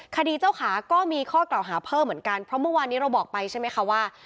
คดีเจ้าขาก็มีข้อกล่าวหาเพิ่มเหมือนกันเพราะเมื่อวานนี้เราบอกไปใช่ไหมคะว่า